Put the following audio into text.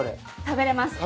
食べれます。